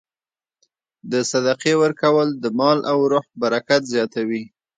د صدقې ورکول د مال او روح برکت زیاتوي.